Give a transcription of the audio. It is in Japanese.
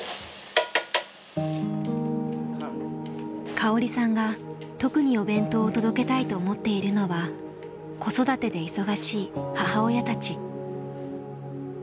香織さんが特にお弁当を届けたいと思っているのは子育てで忙しい母親たち。